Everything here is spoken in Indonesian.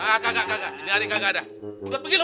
hah kakak kakak kakak ini hari kakak ga ada udah pergi lu